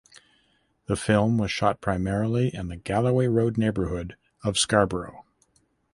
The film was shot primarily in the Galloway Road neighbourhood of Scarborough.